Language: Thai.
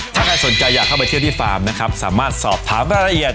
ถ้าใครสนใจอยากเข้าไปเที่ยวที่ฟาร์มนะครับสามารถสอบถามรายละเอียด